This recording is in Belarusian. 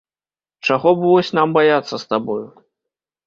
Чаго б вось нам баяцца з табою?